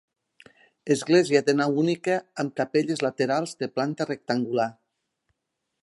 Església de nau única amb capelles laterals de planta rectangular.